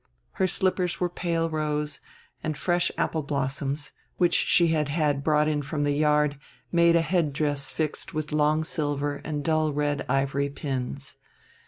Her slippers were pale rose, and fresh apple blossoms, which she had had brought from the yard, made a headdress fixed with long silver and dull red ivory pins.